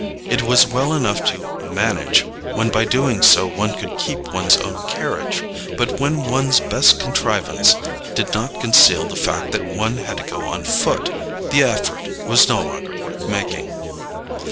It was well enough to "manage" when by so doing one could keep one's own carriage; but when one's best contrivance did not conceal the fact that one had to go on foot, the effort was no longer worth making.